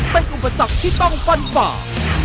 เป็นอุปสรรคที่ต้องฟันฝ่า